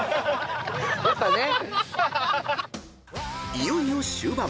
［いよいよ終盤。